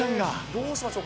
どうしましょう？